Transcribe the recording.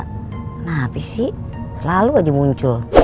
kenapa sih selalu aja muncul